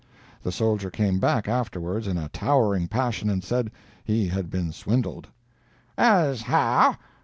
The soldier came back afterwards in a towering passion and said he had been swindled. "As how?"